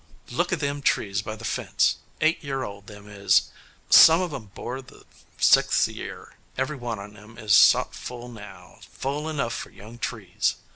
Look a' them trees by the fence: eight year old, them is. Some of 'em bore the sixth year: every one on 'em is sot full now full enough for young trees.